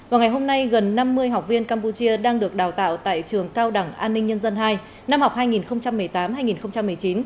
vào ngày hôm nay gần năm mươi học viên campuchia đang được đào tạo tại trường cao đẳng an ninh nhân dân hai năm học hai nghìn một mươi tám hai nghìn một mươi chín